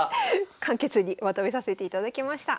簡潔にまとめさせていただきました。